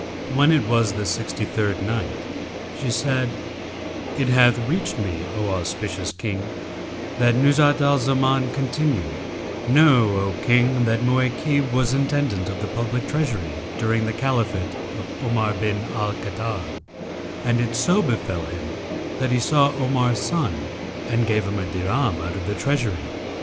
When it was the Sixty third Night, She said, It hath reached me, O auspicious King, that Nuzhat al Zaman continued, "Know, O King, that Mu'aykib was intendant of the public treasury during the Caliphate of Omar bin al Khattab; and it so befel him that he saw Omar's son and gave him a dirham out of the treasury.